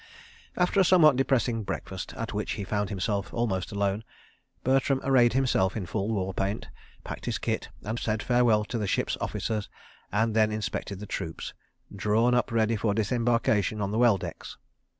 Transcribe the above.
After a somewhat depressing breakfast, at which he found himself almost alone, Bertram arrayed himself in full war paint, packed his kit, said farewell to the ship's officers and then inspected the troops, drawn up ready for disembarkation on the well decks.